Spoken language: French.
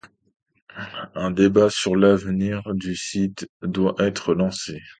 Un débat sur l'avenir du site doit être lancé.